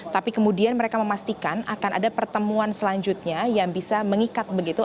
tapi kemudian mereka memastikan akan ada pertemuan selanjutnya yang bisa mengikat begitu